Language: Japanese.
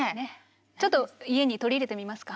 ちょっと家に取り入れてみますか。